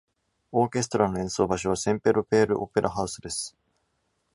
オーケストラの演奏場所は、センぺロペ―ル・オペラハウスです。